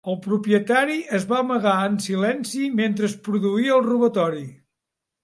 El propietari es va amagar en silenci mentre es produïa el robatori.